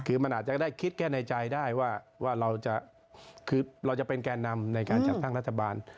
คือมันอาจจะได้คิดแค่ในใจได้ว่าเราจะคือเราจะเป็นแก่นำในการจัดตั้งรัฐบาล